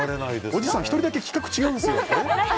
おじさん、１人だけ企画違うんですよ！